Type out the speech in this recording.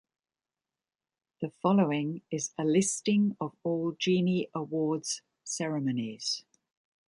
The following is a listing of all Genie Awards ceremonies.